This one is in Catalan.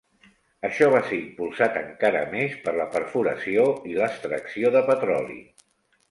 Això va ser impulsat encara més per la perforació i l'extracció de petroli.